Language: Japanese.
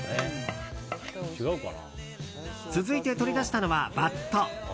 続いて取り出したのはバット。